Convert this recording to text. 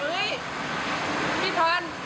อึ๊ยพี่พาน